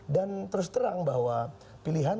dan terus terang bahwa pilihan